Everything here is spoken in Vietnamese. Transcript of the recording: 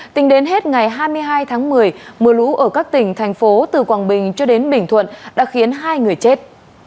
tính đến hết ngày hai mươi hai tháng một mươi mưa lũ ở các tỉnh thành phố từ quảng bình cho đến bình thuận đã khiến hai người chết